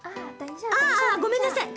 ああごめんなさい。